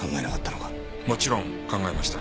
もちろん考えました。